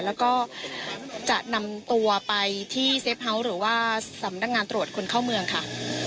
แล้วก็จะนำตัวไปที่เซฟเฮาส์หรือว่าสำนักงานตรวจคนเข้าเมืองค่ะ